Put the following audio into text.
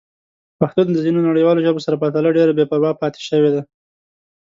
پښتو د ځینو نړیوالو ژبو سره پرتله ډېره بې پروا پاتې شوې ده.